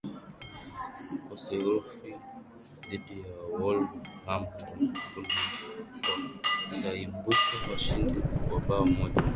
kwa sifuri dhidi wolvehamton fulham wakaibuka washindi wa bao moja